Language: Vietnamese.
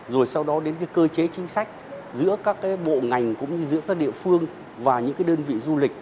rồi sau đó đến cái cơ chế chính sách giữa các cái bộ ngành cũng như giữa các địa phương và những cái đơn vị du lịch